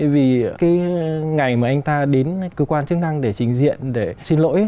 vì cái ngày mà anh ta đến cơ quan chức năng để trình diện để xin lỗi